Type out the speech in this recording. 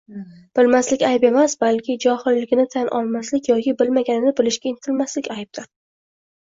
Bilmaslik ayb emas, balki johilligini tan olmaslik yoki bilmaganini bilishga intilmaslik aybdir.